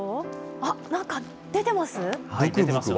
あっ、何か出てます？